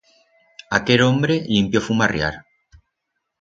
Aquer hombre, limpio fumarriar.